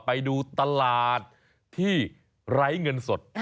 ไปดูตลาดที่ไร้เงินสด